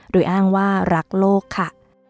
โดยอ้างว่ารักโลกค่ะ